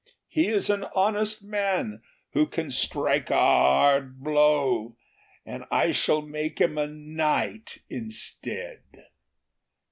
He is an honest man who can strike a hard blow, and I shall make him a knight instead."